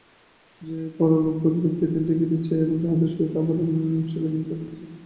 সে পরলোকগত ব্যক্তিদের দেখিতে চায় এবং তাহাদের সহিত আবার সুখে দিন কাটাইতে চায়।